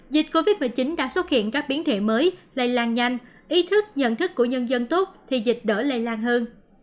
dịch covid một mươi chín đã xuất hiện các biến thể mới lây lan nhanh ý thức nhận thức của nhân dân tốt thì dịch đỡ lây lan hơn